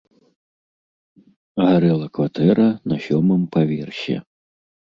Гарэла кватэра на сёмым паверсе.